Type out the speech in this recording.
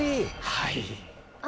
はい。